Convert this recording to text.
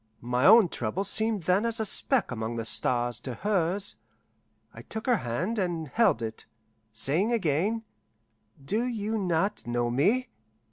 My own trouble seemed then as a speck among the stars to hers. I took her hand and held it, saying again, "Do you not know me?